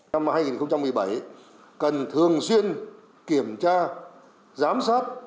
năm hai nghìn một mươi bảy cần thường xuyên kiểm tra giám sát